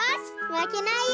まけないよ！